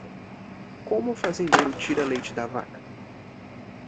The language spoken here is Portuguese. Como um fazendeiro tira leite da vaca?